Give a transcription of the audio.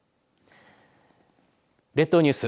列島ニュース